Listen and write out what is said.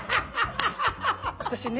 私ね